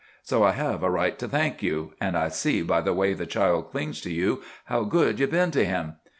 So I have a right to thank you, and I see by the way the child clings to you how good you've been to him.